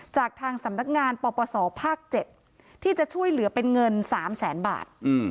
จากทางสำนักงานปปศภาค๗ที่จะช่วยเหลือเป็นเงิน๓แสนบาท